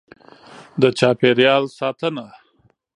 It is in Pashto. . د چاپېریال ساتنه: